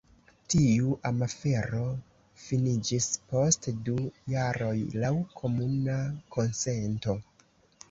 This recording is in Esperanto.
Tiu amafero finiĝis post du jaroj laŭ komuna konsento.